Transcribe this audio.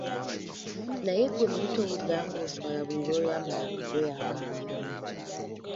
Naye gwe muli towulira ng'oswala buli lw'oyambala akagoye akampi?